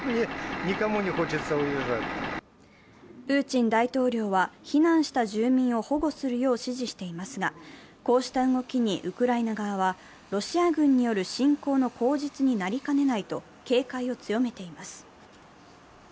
プーチン大統領は避難した住民を保護するよう指示していますがこうした動きにウクライナ側はロシア軍による侵攻の口実になりかねないと警戒を強めています。